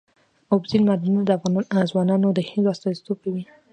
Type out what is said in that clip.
اوبزین معدنونه د افغان ځوانانو د هیلو استازیتوب کوي.